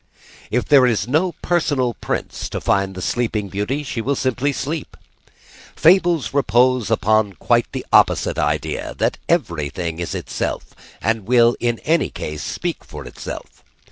If there is no personal prince to find the Sleeping Beauty she will simply sleep. Fables repose upon quite the opposite idea; that everything is itself, and will in any case speak for itself.